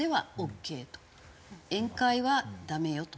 宴会はダメよと。